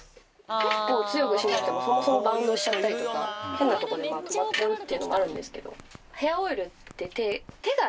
結構強く閉めてもそもそもバウンドしちゃったりとか変なとこで止まっちゃうっていうのもあるんですけど。